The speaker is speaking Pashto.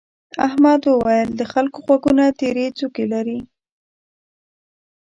احمد وويل: د خلکو غوږونه تيرې څوکې لري.